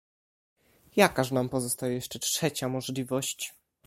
"Jakaż nam pozostaje jeszcze trzecia możliwość?"